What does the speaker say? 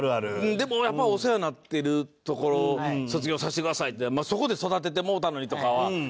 でもやっぱお世話になってるところ卒業させてくださいってそこで育ててもうたのにとかは言いにくいじゃないですか。